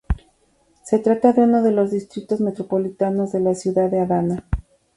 Se trata de uno de los distritos metropolitanos de la ciudad de Adana.